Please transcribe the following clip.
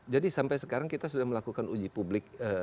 jadi sampai sekarang kita sudah melakukan uji publik